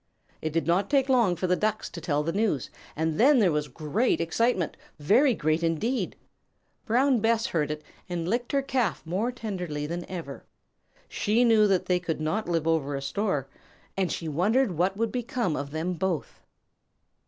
It did not take long for the Ducks to tell the news, and then there was great excitement, very great indeed. Brown Bess heard it and licked her Calf more tenderly than ever. She knew that they could not live over a store, and she wondered what would become of them both.